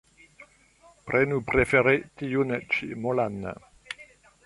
Prenu prefere tiun ĉi molan